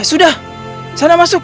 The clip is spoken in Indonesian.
ya sudah sana masuk